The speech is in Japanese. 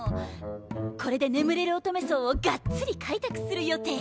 これで眠れる乙女層をガッツリ開拓する予定！